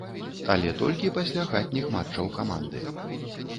Але толькі пасля хатніх матчаў каманды.